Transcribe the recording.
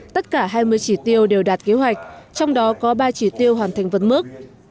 tất cả hai mươi chỉ tiêu đều đạt kế hoạch trong đó có ba chỉ tiêu hoàn thành vấn mức